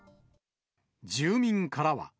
住民からは。